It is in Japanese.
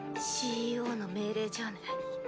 ＣＥＯの命令じゃあね。